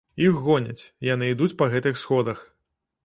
Іх гоняць, яны ідуць па гэтых сходах.